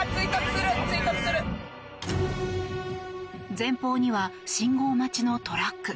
前方には信号待ちのトラック。